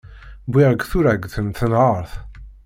Wwiɣ-d turagt n tenhert.